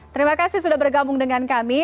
terima kasih sudah bergabung dengan kami